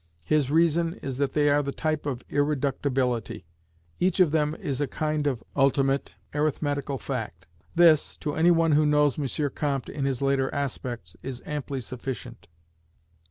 His reason is that they are the type of irreductibility: each of them is a kind of ultimate arithmetical fact. This, to any one who knows M. Comte in his later aspects, is amply sufficient.